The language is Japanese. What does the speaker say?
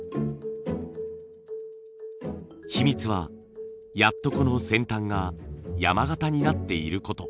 秘密は「やっとこ」の先端が山型になっていること。